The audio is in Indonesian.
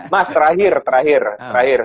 mas terakhir terakhir terakhir